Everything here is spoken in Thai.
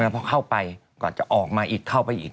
พอเข้าไปก่อนจะออกมาอีกเข้าไปอีก